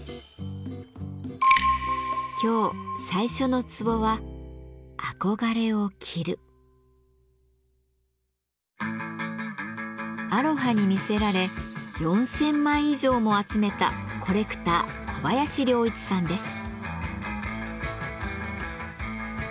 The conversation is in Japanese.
今日最初の壺はアロハに魅せられ４，０００枚以上も集めたコレクター小林亨一さんです。